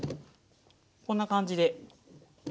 こんな感じで。